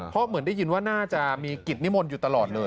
เพราะเหมือนได้ยินว่าน่าจะมีกิจนิมนต์อยู่ตลอดเลย